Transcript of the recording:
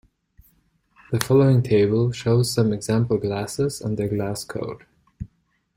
The following table shows some example glasses and their glass code.